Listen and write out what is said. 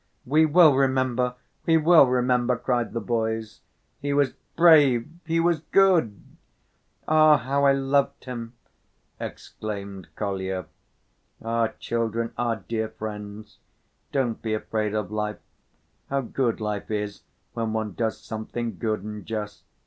"We will remember, we will remember," cried the boys. "He was brave, he was good!" "Ah, how I loved him!" exclaimed Kolya. "Ah, children, ah, dear friends, don't be afraid of life! How good life is when one does something good and just!"